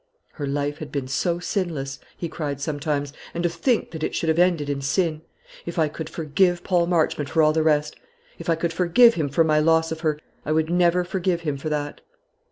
"Her life had been so sinless," he cried sometimes; "and to think that it should have ended in sin! If I could forgive Paul Marchmont for all the rest if I could forgive him for my loss of her, I would never forgive him for that."